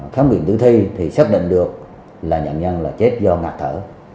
khám nghiệm tử thi thì xác định được là nạn nhân là chết do ngạc thở